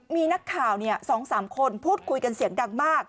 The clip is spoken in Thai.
มีนักข่าว๒๓คนพูดคุยกันเสียงดังมาก